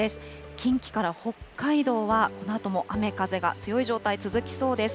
近畿から北海道はこのあとも雨風が強い状態、続きそうです。